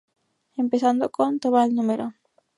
Empezando con "Tobal No.